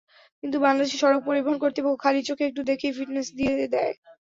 কিন্তু বাংলাদেশ সড়ক পরিবহন কর্তৃপক্ষ খালি চোখে একটু দেখেই ফিটনেস দিয়ে দেয়।